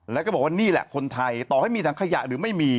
แล้วก็บอกว่านี่แหละคนไทยต่อให้มีถังขยะหรือไม่มี